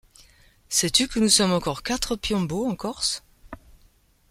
Sais-tu que nous sommes encore quatre Piombo en Corse ?